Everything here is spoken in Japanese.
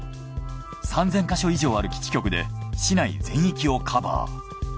３０００ヵ所以上ある基地局で市内全域をカバー。